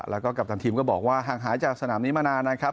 แล้วก็กัปตันทีมก็บอกว่าห่างหายจากสนามนี้มานานนะครับ